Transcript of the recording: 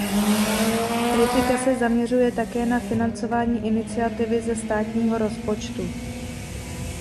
Kritika se zaměřuje také na financování iniciativy ze státního rozpočtu.